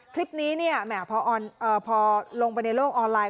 คลิปนี้เนี่ยแหมพอลงไปในโลกออนไลน